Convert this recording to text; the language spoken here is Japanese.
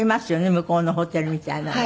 向こうのホテルみたいなのが。